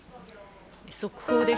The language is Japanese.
速報です。